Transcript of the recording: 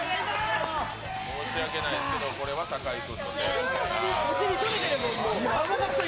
申し訳ないですけどこれは酒井君のせいですから。